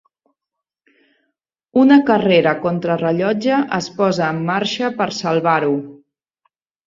Una carrera contra rellotge es posa en marxa per salvar-ho.